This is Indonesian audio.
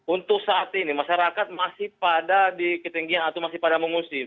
untuk saat ini masyarakat masih pada di ketinggian atau masih pada mengusir